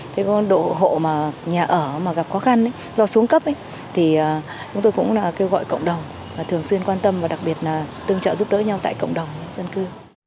thế còn độ hộ mà nhà ở mà gặp khó khăn do xuống cấp thì chúng tôi cũng kêu gọi cộng đồng thường xuyên quan tâm và đặc biệt là tương trợ giúp đỡ nhau tại cộng đồng dân cư